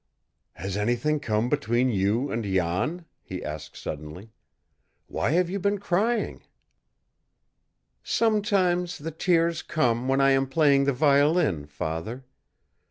"Has anything come between you and Jan?" he asked suddenly. "Why have you been crying?" "Sometimes the tears come when I am playing the violin, father.